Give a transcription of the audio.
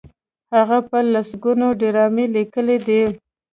هغه په لسګونو ډرامې لیکلي دي.